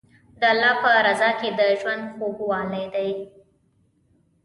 د الله په رضا کې د ژوند خوږوالی دی.